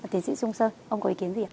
thế dĩ dung sơn ông có ý kiến gì